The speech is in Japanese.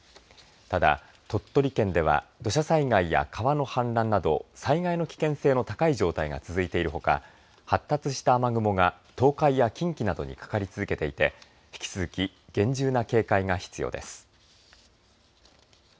ただ、鳥取県では土砂災害や川の氾濫など災害の危険性の高い状態が続いているほか発達した雨雲が東海や近畿などにかかり続けていて引き続き厳重な警戒が必要です。